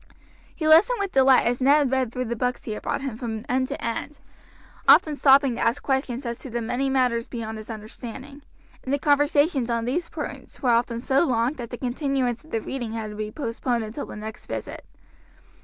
He listened with delight as Ned read through the books he had brought him from end to end, often stopping him to ask questions as to the many matters beyond his understanding, and the conversations on these points were often so long that the continuance of the reading had to be postponed until the next visit.